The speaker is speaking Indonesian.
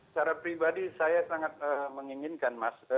secara pribadi saya sangat menginginkan mas